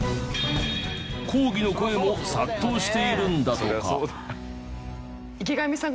抗議の声も殺到しているんだとか。